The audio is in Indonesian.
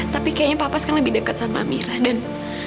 tapi kayaknya papa sekarang lebih dekat sama amirah dan